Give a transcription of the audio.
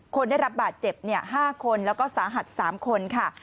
คนได้รับบาดเจ็บ๕คนแล้วก็สาหัส๓คนค่ะ